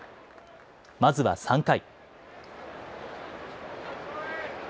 まずは３回。